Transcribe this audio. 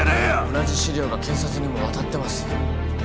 同じ資料が検察にも渡ってます